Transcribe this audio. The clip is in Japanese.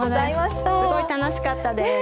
すごい楽しかったです。